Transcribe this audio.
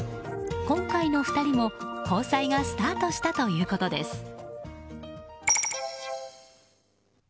今回の２人も交際がスタートしたということです。